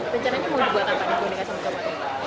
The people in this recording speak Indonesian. pencariannya mau dibuat kakaknya